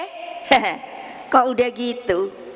he he kok udah gitu